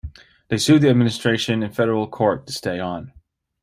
They sued the administration in federal court to stay on.